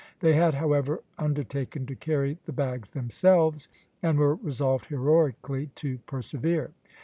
They had, however, undertaken to carry the bags themselves, and were resolved heroically to persevere.